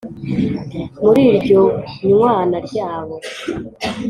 muri iryo nywana ryabo,